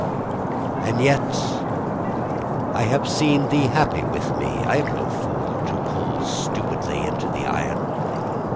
And yet I have seen thee happy with me. I am no fool To poll stupidly into iron.